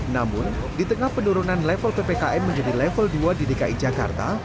namun di tengah penurunan level ppkm menjadi level dua di dki jakarta